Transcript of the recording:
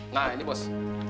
nah ini bos